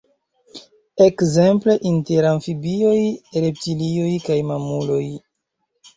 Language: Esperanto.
Ekzemple, inter amfibioj, reptilioj kaj mamuloj.